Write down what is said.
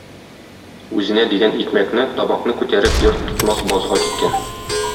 Үзенә дигән икмәкне, табакны күтәреп Йорт тотмас базга киткән.